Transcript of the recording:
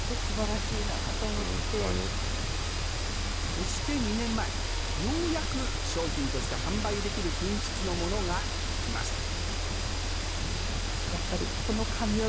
そして２年前、ようやく商品として販売できる品質のものが出来ました。